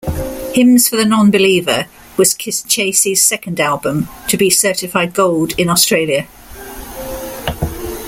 "Hymns for the Nonbeliever" was Kisschasy's second album to be certified gold in Australia.